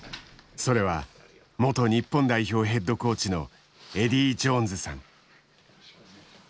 それは元日本代表ヘッドコーチのエディー・ジョーンズさん。